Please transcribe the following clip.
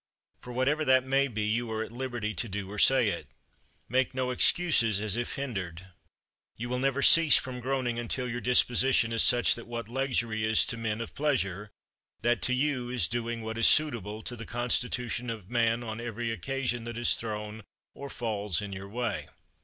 For, whatever that may be, you are at liberty to do or say it. Make no excuses as if hindered. You will never cease from groaning until your disposition is such that what luxury is to men of pleasure, that to you is doing what is suitable to the constitution of man on every occasion that is thrown or falls in your way.